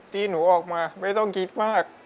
ที่หนูออกมาไม่ต้องคิดมาก